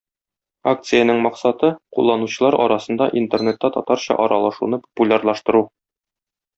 Акциянең максаты - кулланучылар арасында Интернетта татарча аралашуны популярлаштыру.